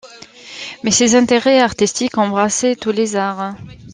Mais ses intérêts artistiques embrassaient tous les arts.